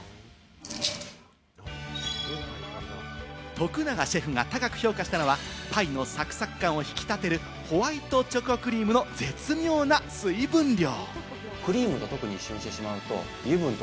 徳永シェフが高く評価したのは、パイのサクサク感を引き立てる、ホワイトチョコクリームの絶妙な水分量。